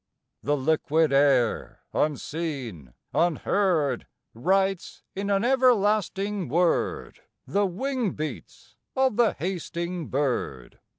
III. The liquid air, unseen, unheard, Writes in an everlasting word The wing beats of the hasting bird.